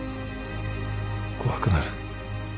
怖くなる。